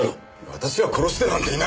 私は殺してなんていない！